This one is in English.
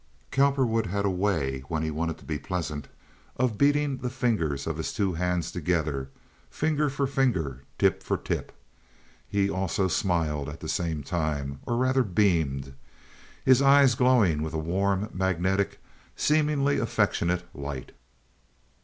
Cowperwood had a way, when he wanted to be pleasant, of beating the fingers of his two hands together, finger for finger, tip for tip. He also smiled at the same time—or, rather, beamed—his eyes glowing with a warm, magnetic, seemingly affectionate light.